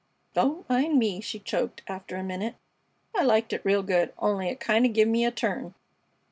"Don't mind me," she choked, after a minute. "I liked it real good, only it kind of give me a turn."